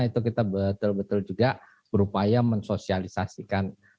itu kita betul betul juga berupaya mensosialisasikan